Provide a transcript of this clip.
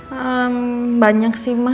hmm banyak sih mbak